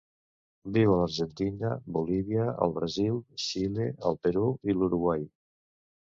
Viu a l'Argentina, Bolívia, el Brasil, Xile, el Perú i l'Uruguai.